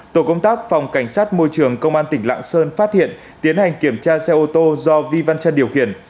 tổ công tác phòng cảnh sát môi trường công an tỉnh lạng sơn phát hiện tiến hành kiểm tra xe ô tô do vi văn trân điều khiển